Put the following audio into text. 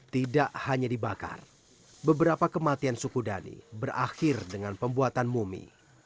tidak hanya dibakar beberapa kematian suku dhani berakhir dengan pembuatan mumi